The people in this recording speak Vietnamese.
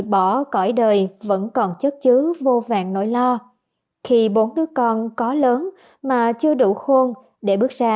bỏ cõi đời vẫn còn chất chứa vô vàng nỗi lo khi bốn đứa con có lớn mà chưa đủ khuôn để bước ra